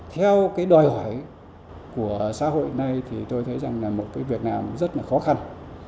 theo đòi hỏi của xã hội này thì tôi thấy rằng là một việc nào cũng rất khó khăn